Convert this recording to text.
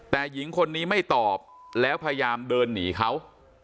แต่หญิงคนนี้ไม่ตอบแล้วพยายามเดินหนีเขา